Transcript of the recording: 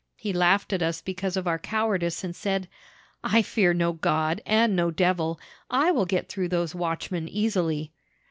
He laughed at us because of our cowardice, and said: "I fear no God, and no devil. I will get through those watchmen easily."